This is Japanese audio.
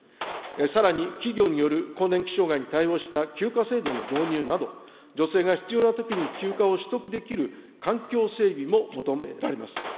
さらに、企業による更年期障害に対応した休暇制度の導入など、女性が必要なときに休暇を取得できる環境整備も求められます。